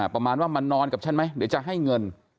ประมาณว่ามานอนกับฉันไหมเดี๋ยวจะให้เงิน